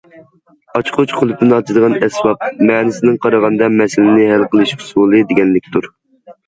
ئاچقۇچ قۇلۇپنى ئاچىدىغان ئەسۋاب، مەنىسىدىن قارىغاندا مەسىلىنى ھەل قىلىش ئۇسۇلى دېگەنلىكتۇر.